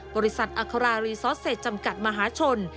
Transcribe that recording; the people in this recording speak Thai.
บริษัทอัครารีซอสเศษจำกัดมหาชน